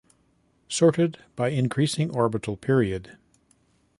Sorted by increasing orbital period.